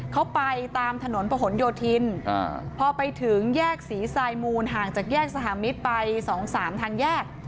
เขาไปตามถนนโยธินอ่าพอไปถึงแยกศรีไซมูลห่างจากแยกสถามิตไปสองสามทางแยก